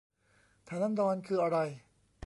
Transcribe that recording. ฐานันดร คืออะไร